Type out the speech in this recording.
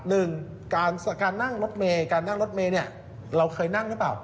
หนึ่งการนั่งรถเมย์การนั่งรถเมย์เนี่ยเราเคยนั่งหรือเปล่า